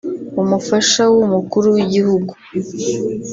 umufasha w’Umukuru w’igihugu